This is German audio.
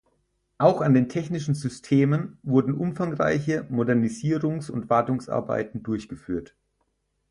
Auch an den technischen Systemen wurden umfangreiche Modernisierungs- und Wartungsarbeiten durchgeführt.